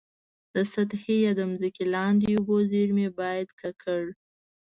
د سطحي یا د ځمکي لاندي اوبو زیرمي باید ککړ.